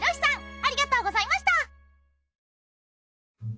ありがとうございます。